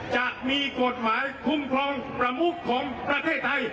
จะมีกฎหมายคุ้มครองประมุขของประเทศไทย